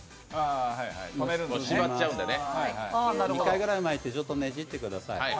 ２回ぐらい巻いてねじってください